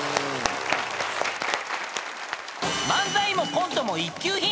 ［漫才もコントも一級品］